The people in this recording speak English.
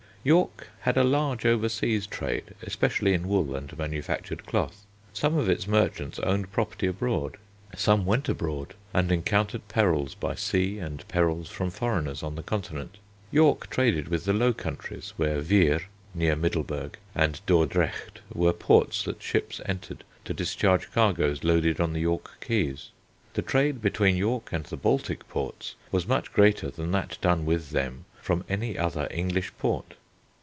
York had a large overseas trade, especially in wool and manufactured cloth. Some of its merchants owned property abroad. Some went abroad and encountered perils by sea and perils from foreigners on the continent. York traded with the Low Countries, where Veere (near Middleburg) and Dordrecht were ports that ships entered to discharge cargoes loaded on the York quays. The trade between York and the Baltic ports was much greater than that done with them from any other English port.